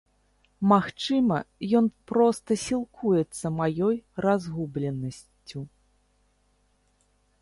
Магчыма, ён проста сілкуецца маёй разгубленасцю.